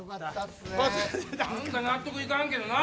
何か納得いかんけどな。